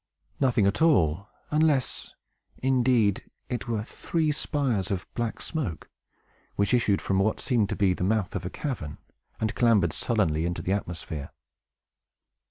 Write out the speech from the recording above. Nothing at all; unless, indeed, it were three spires of black smoke, which issued from what seemed to be the mouth of a cavern, and clambered sullenly into the atmosphere.